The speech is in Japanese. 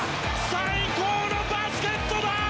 最高のバスケットだ！